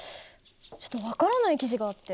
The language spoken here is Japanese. ちょっと分からない記事があって。